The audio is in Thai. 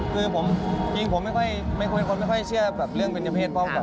คือจริงผมไม่ค่อยเชื่อเรื่องเป็นเจ้าเพศ